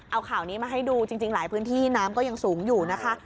เอาข่าวนี้มาให้ดูจริงหลายพื้นที่น้ำก็ยังสูงอยู่นะคะ